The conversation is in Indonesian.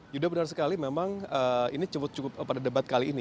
yuda benar sekali memang ini cukup cukup pada debat kali ini